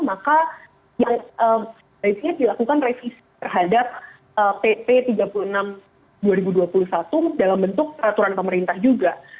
maka yang sebaiknya dilakukan revisi terhadap pp tiga puluh enam dua ribu dua puluh satu dalam bentuk peraturan pemerintah juga